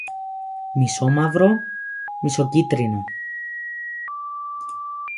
μισομαύρο-μισοκίτρινο